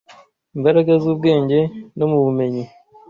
imbaraga z’ubwenge no mu bumenyi